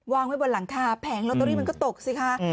วางไว้บนหลังคาแผงลอตเตอรี่มันก็ตกสิคะ